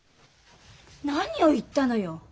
何を言ったのよ。